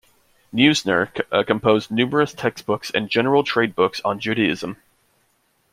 Neusner composed numerous textbooks and general trade books on Judaism.